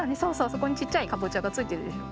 そこにちっちゃいかぼちゃがついてるでしょ？